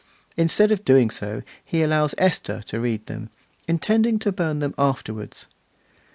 Instead of doing so he allows Esther to read them, intending to burn them afterwards.